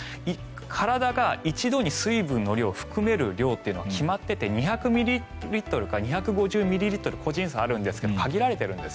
体が一度に水分を含める量は決まってて２００ミリリットルから２５０ミリリットル個人差はあるんですけど限られているんです。